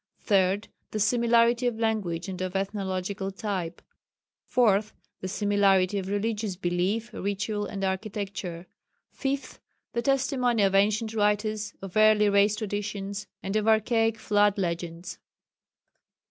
Third, the similarity of language and of ethnological type. Fourth, the similarity of religious belief, ritual, and architecture. Fifth, the testimony of ancient writers, of early race traditions, and of archaic flood legends.